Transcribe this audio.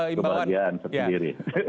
itu kebahagiaan sendiri